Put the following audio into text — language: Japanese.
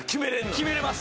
決めれます！